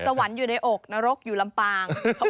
สวรรค์อยู่ในอกนรกอยู่ลำปาง